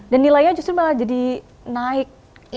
dan nilainya justru malah jadi naik